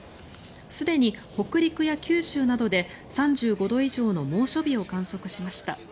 すでに北陸や九州などで３５度以上の猛暑日を観測しました。